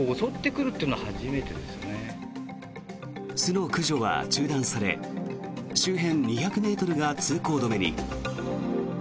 巣の駆除は中断され周辺２００ｍが通行止めに。